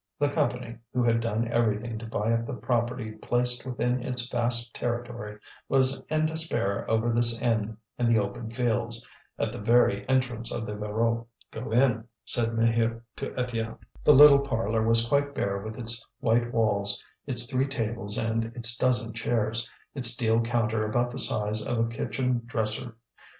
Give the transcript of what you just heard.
The Company, who had done everything to buy up the property placed within its vast territory, was in despair over this inn in the open fields, at the very entrance of the Voreux. "Go in," said Maheu to Étienne. The little parlour was quite bare with its white walls, its three tables and its dozen chairs, its deal counter about the size of a kitchen dresser.